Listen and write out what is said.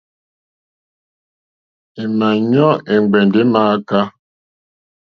È mà ɲɔ́ è ŋgbɛ̀ndɛ̀ è mááká.